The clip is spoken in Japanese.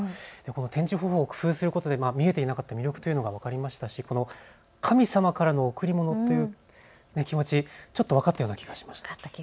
展示方法を工夫することで見えていなかった魅力が見えるというのも分かりましたし、神様からの贈り物という気持ち、ちょっと分かったような気がしました。